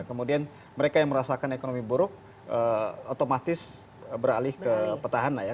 kemudian mereka yang merasakan ekonomi buruk otomatis beralih ke petahana ya